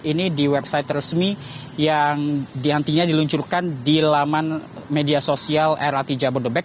ini di website resmi yang diluncurkan di laman media sosial lrt jabodebek